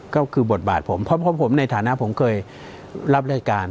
ก็คือบทบาทผมเพราะผมในฐานะผมเคยรับรายการ